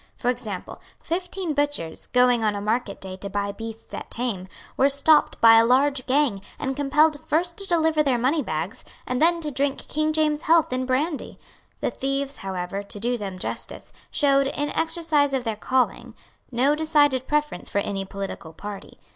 For example, fifteen butchers, going on a market day to buy beasts at Thame, were stopped by a large gang, and compelled first to deliver their moneybags, and then to drink King James's health in brandy. The thieves, however, to do them justice, showed, in the exercise of their calling, no decided preference for any political party.